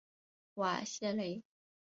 瓦谢雷。